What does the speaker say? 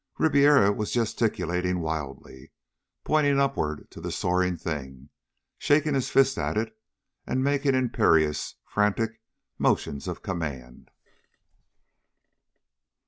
Ribiera was gesticulating wildly, pointing upward to the soaring thing, shaking his fist at it, and making imperious, frantic motions of command.